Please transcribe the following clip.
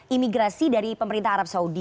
imigrasi dari pemerintah arab saudi